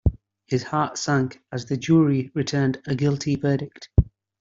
His heart sank as the jury returned a guilty verdict.